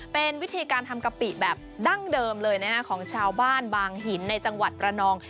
เป็นวิธีการทำกะปิแบบดั้งเดิมเลยนะฮะของชาวบ้านบางหินในจังหวัดระนอง